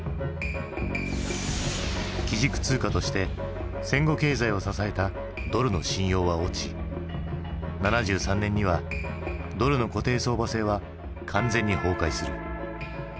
基軸通貨として戦後経済を支えたドルの信用は落ち７３年にはドルの固定相場制は完全に崩壊する。